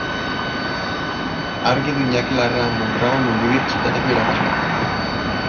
Argi du Iñaki Larrea Mondragon Unibertsitateko irakasleak.